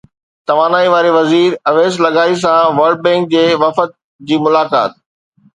توانائي واري وزير اويس لغاري سان ورلڊ بينڪ جي وفد جي ملاقات